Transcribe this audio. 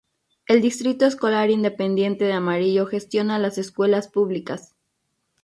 El Distrito Escolar Independiente de Amarillo gestiona las escuelas públicas.